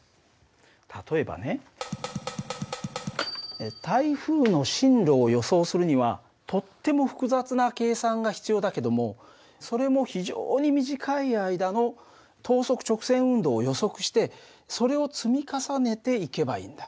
例えばね台風の進路を予想するにはとっても複雑な計算が必要だけどもそれも非常に短い間の等速直線運動を予測してそれを積み重ねていけばいいんだ。